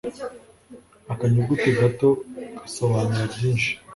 akanyuguti gato gasobanura byinshi